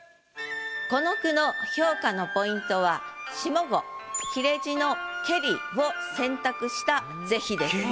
この句の評価のポイントは下五切れ字の「けり」を選択した是非です。